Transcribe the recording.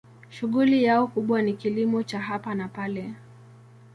Shughuli yao kubwa ni kilimo cha hapa na pale.